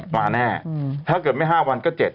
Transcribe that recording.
ถ้าเกิดไม่๕วันก็๗